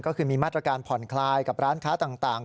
ก็คือมีมาตรการผ่อนคลายกับร้านค้าต่าง